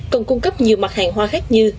còn cung cấp nhiều mặt hàng hoa khác như